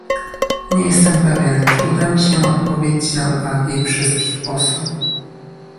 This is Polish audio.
Nie jestem pewien, czy uda mi się odpowiedzieć na uwagi wszystkich posłów